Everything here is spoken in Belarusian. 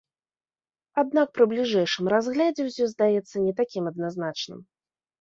Аднак пры бліжэйшым разглядзе ўсё здаецца не такім адназначным.